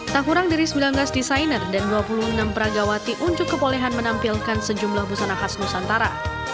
tak kurang dari sembilan belas desainer dan dua puluh enam peragawati unjuk kebolehan menampilkan sejumlah busana khas nusantara